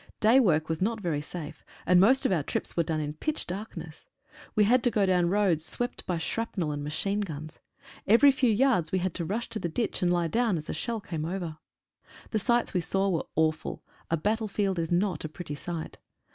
Day work was not very safe, and most of our trips were done in pitch darkness. We had to go down roads swept by shrapnel and ma chine guns. Every few yards we had to rush to the ditch and lie down as a shell came over. The sights we saw were awful. A battlefield is not a pretty sight.